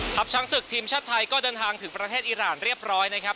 ช้างศึกทีมชาติไทยก็เดินทางถึงประเทศอิราณเรียบร้อยนะครับ